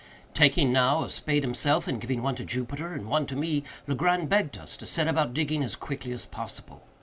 Taking now a spade himself, and giving one to Jupiter and one to me, Legrand begged us to set about digging as quickly as possible.